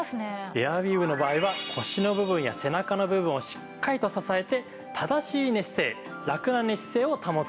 エアウィーヴの場合は腰の部分や背中の部分をしっかりと支えて正しい寝姿勢ラクな寝姿勢を保つ事ができるんです。